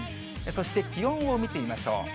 そして気温を見てみましょう。